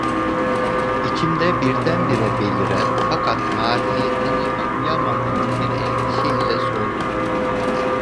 İçimde birdenbire beliren, fakat mahiyetini anlayamadığım bir endişe ile sordum: